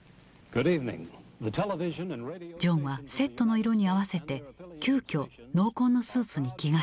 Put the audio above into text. ジョンはセットの色に合わせて急遽濃紺のスーツに着替えた。